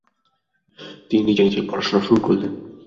তিনি নিজে নিজেই পড়াশোনা শুরু করলেন।